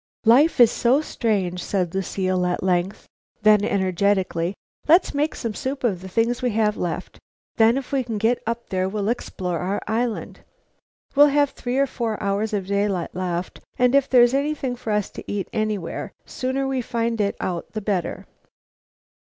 "Life is so strange," said Lucile, at length; then energetically: "Let's make some soup of the things we have left. Then, if we can get up there, we'll explore our island. We'll have three or four hours of daylight left, and if there's anything for us to eat anywhere, the sooner we find it out the better."